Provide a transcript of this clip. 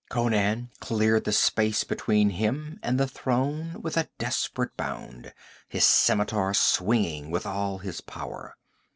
Conan cleared the space between him and the throne with a desperate bound, his scimitar swinging with all his power.